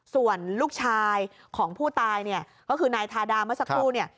ส่วนลูกชายของผู้ตายเนี่ยก็คือนายทาดาเมื่อสักครู่เนี่ย